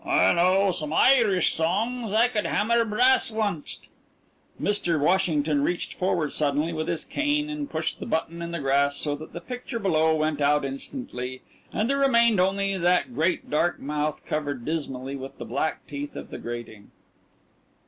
"I know some Irish songs and I could hammer brass once't." Mr. Washington reached forward suddenly with his cane and pushed the button in the grass so that the picture below went out instantly, and there remained only that great dark mouth covered dismally with the black teeth of the grating.